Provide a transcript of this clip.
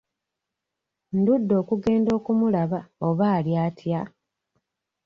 Ndudde okugenda okumulaba oba ali atya?